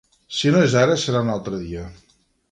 Si no és ara serà un altre dia.